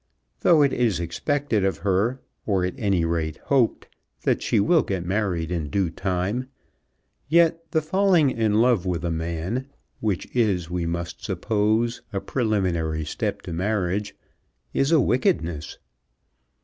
Though it is expected of her, or at any rate hoped, that she will get married in due time, yet the falling in love with a man, which is, we must suppose, a preliminary step to marriage, is a wickedness.